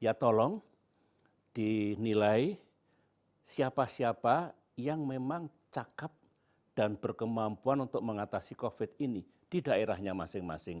ya tolong dinilai siapa siapa yang memang cakep dan berkemampuan untuk mengatasi covid ini di daerahnya masing masing